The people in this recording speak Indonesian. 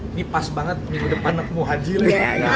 ini pas banget minggu depan nakmu hajirin